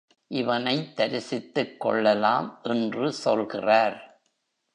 இவனைத் தரிசித்துக் கொள்ளலாம் என்று சொல்கிறார்.